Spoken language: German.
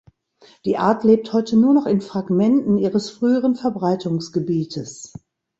Die Art lebt heute nur noch in Fragmenten ihres früheren Verbreitungsgebietes.